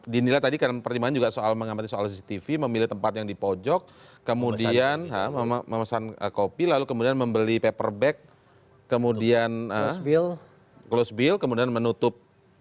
dinilai tadi karena pertimbangan juga soal mengamati soal cctv memilih tempat yang dipojok kemudian memesan kopi lalu kemudian membeli paper bag kemudian close bill kemudian menutup